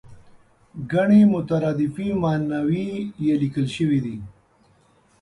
ګڼې مترادفې ماناوې یې لیکل شوې دي.